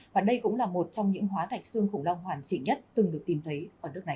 và đây cũng là một trong những hóa thạch xương khủng long hoàn chỉnh nhất từng được tìm thấy ở nước này